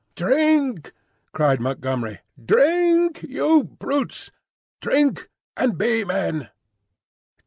"Drink!" cried Montgomery, "drink, you brutes! Drink and be men!